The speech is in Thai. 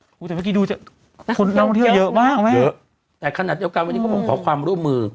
ติดเมื่อกี้ดูน้ำเยอะเยอะมากแต่ขณะเยาวกราบวันนี้ก็ผมขอความร่วมมือ